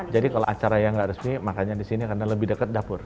jadi kalau acara yang nggak resmi makannya di sini karena lebih dekat dapur